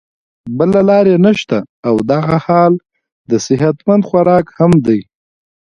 بله لار ئې نشته او دغه حال د صحت مند خوراک هم دے